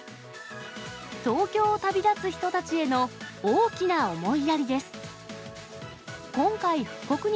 東京を旅立つ人たちへの大きな思いやりです。